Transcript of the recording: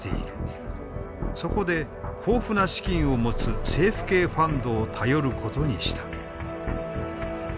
そこで豊富な資金を持つ政府系ファンドを頼ることにした。